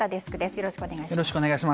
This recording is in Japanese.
よろしくお願いします。